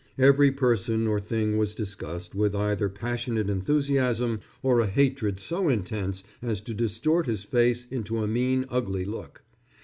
Every person or thing was discussed with either passionate enthusiasm or a hatred so intense as to distort his face into a mean, ugly look.